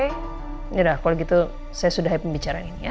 yaudah kalau gitu saya sudah hype pembicaraan ini ya